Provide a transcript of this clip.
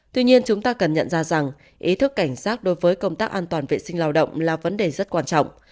tuy nhiên chúng ta cần nhận ra rằng ý thức cảnh sát đối với công tác an toàn vệ sinh lao động là vấn đề rất quan trọng